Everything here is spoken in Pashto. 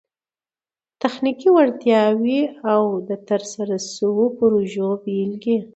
تخنیکي وړتیاوي او د ترسره سوو پروژو بيلګي